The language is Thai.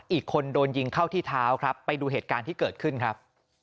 อีกคนโดนยิงเข้าที่เท้าครับไปดูเหตุการณ์ที่เกิดขึ้นครับ